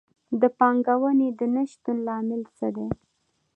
د پانګونې د نه شتون لامل څه دی؟